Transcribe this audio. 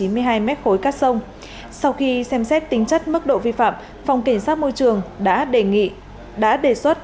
m ba cát sông sau khi xem xét tính chất mức độ vi phạm phòng cảnh sát môi trường đã đề xuất